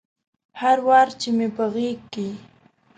هر وار چې مې په غیږ کې